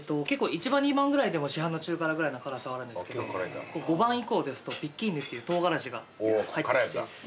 １番２番ぐらいでも市販の中辛ぐらいの辛さはあるんですけど５番以降ですとピッキーヌというトウガラシが入ってきて。